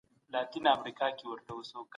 د مطالعې مينه وال په کتابتونونو کي کتابونه لټوي.